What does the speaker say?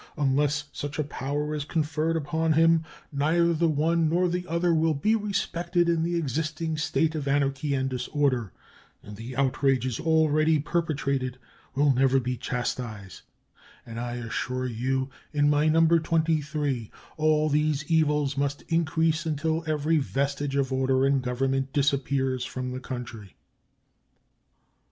Unless such a power is conferred upon him, neither the one nor the other will be respected in the existing state of anarchy and disorder, and the outrages already perpetrated will never be chastised; and, as I assured you in my No. 23, all these evils must increase until every vestige of order and government disappears from the country."